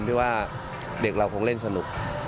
พี่ว่าเด็กเราคงเล่นสนุก